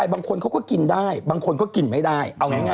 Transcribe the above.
บางคนเขาก็กินได้บางคนก็กินไม่ได้เอาง่าย